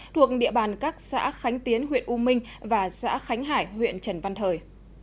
thuộc địa bàn các xã khánh tiến huyện u minh và xã khánh hải huyện trần văn thời